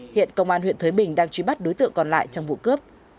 hiện công an huyện thới bình đang truy bắt đối tượng còn lại trong vụ cướp